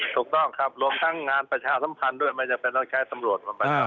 ถูกต้องครับรวมทั้งงานประชาสัมพันธ์ด้วยมันจะเป็นนักใช้สำรวจ